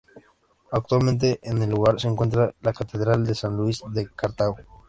Actualmente en el lugar se encuentra la Catedral de San Luis de Cartago.